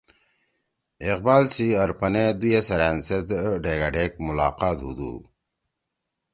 اقبال سی ارپنے دُوئی اے سیرأن سیت ڈھیگاڈھیک مُلاقات ہو دُو ۔